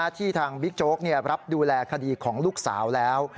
ที่ทางบิ๊กโจ๊กรับดูแลคดีของลูกสาวแล้ว